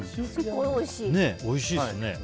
おいしいですね。